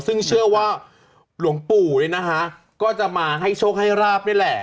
ซึ่งเชื่อว่าหลวงปู่นี่นะคะก็จะมาให้โชคให้ราบนี่แหละ